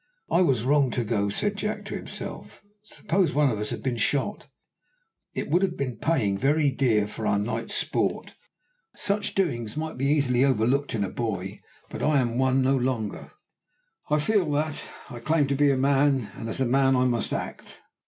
"I was wrong to go," said Jack to himself. "Suppose one of us had been shot, it would have been paying very dear for our night's sport. Such doings might be easily overlooked in a boy, but I am one no longer. I feel that. I claim to be a man, and as a man I must act.